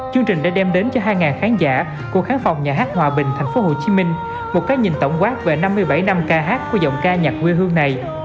chương trình đã đem đến cho hai khán giả của khán phòng nhà hát hòa bình thành phố hồ chí minh một cái nhìn tổng quát về năm mươi bảy năm ca hát của giọng ca nhạc quê hương này